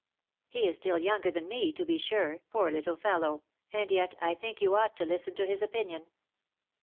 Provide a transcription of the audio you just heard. He is still younger than me, to be sure, poor little fellow, and yet I think you ought to listen to his opinion."